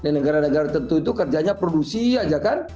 negara negara tentu itu kerjanya produksi saja kan